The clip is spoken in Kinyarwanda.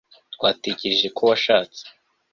twatekereje ko washatse